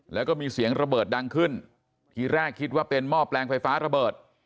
แล้วก็มีเสียงระเบิดดังขึ้นทีแรกคิดว่าเป็นหม้อแปลงไฟฟ้าระเบิด